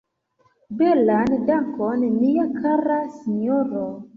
Belan dankon, mia kara sinjoro!